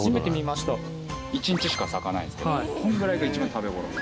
１日しか咲かないんですけどこのぐらいが一番食べ頃。